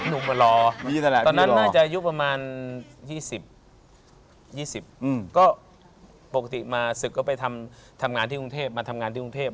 มารอตอนนั้นน่าจะอายุประมาณ๒๐๒๐ก็ปกติมาศึกก็ไปทำงานที่กรุงเทพมาทำงานที่กรุงเทพ